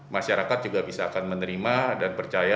masyarakat juga bisa akan menerima dan percaya